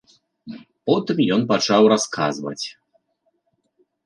Потым ён пачаў расказваць.